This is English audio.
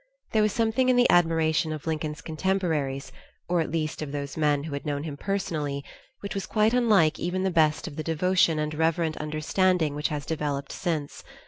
There was something in the admiration of Lincoln's contemporaries, or at least of those men who had known him personally, which was quite unlike even the best of the devotion and reverent understanding which has developed since.